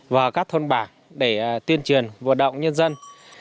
và các thôn bảng để tuyên truyền vận động nhân dân